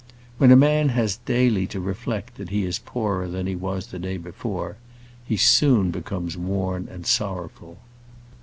When a man has daily to reflect that he is poorer than he was the day before, he soon becomes worn and sorrowful.